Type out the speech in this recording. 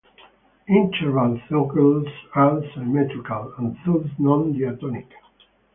Interval cycles are symmetrical and thus non-diatonic.